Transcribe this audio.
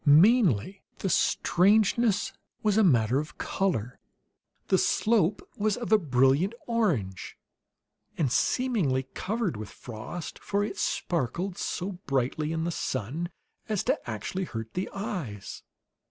Mainly the strangeness was a matter of color; the slope was of a brilliant orange, and seemingly covered with frost, for it sparkled so brightly in the sun as to actually hurt the eyes.